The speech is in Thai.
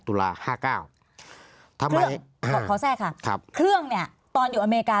ตุลาห้าเก้าเครื่องบอกขอแทรกค่ะครับเครื่องเนี่ยตอนอยู่อเมริกา